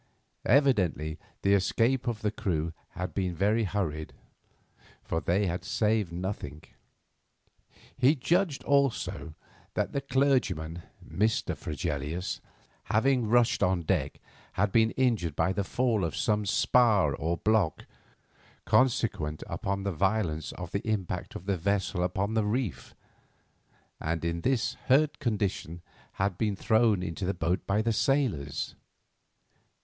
Evidently the escape of the crew had been very hurried, for they had saved nothing. He judged also that the clergyman, Mr. Fregelius, having rushed on deck, had been injured by the fall of some spar or block consequent upon the violence of the impact of the vessel upon the reef, and in this hurt condition had been thrown into the boat by the sailors.